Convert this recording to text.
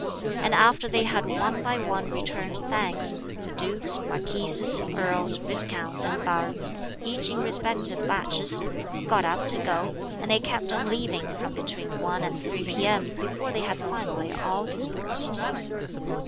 And after they had one by one returned thanks, the dukes, marquises, earls, viscounts and barons, each in respective batches, (got up to go,) and they kept on leaving from between 1 and 3 p.m. before they had finally all dispersed.